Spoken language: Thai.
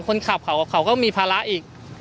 คนขับเขาก็มีภาระอีก